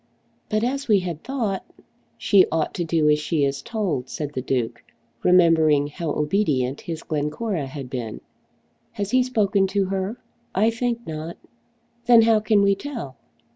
"But as we had thought " "She ought to do as she is told," said the Duke, remembering how obedient his Glencora had been. "Has he spoken to her?" "I think not." "Then how can we tell?"